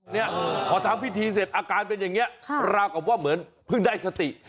เนี่ยพอทำพิธีเสร็จอาการเป็นอย่างนี้ราวกับว่าเหมือนเพิ่งได้สติ